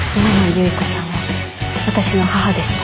有依子さんは私の母でした。